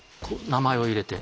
名前を入れて。